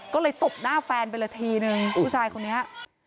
ก็เลยตบหน้าแฟนไปเลยทีนึงผู้ชายคนนี้